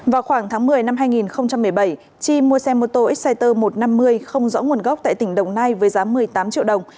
vào khoảng tháng một mươi năm hai nghìn một mươi bảy chi mua xe mô tô exciter một trăm năm mươi không rõ nguồn gốc tại tỉnh đồng nai với giá một mươi tám triệu đồng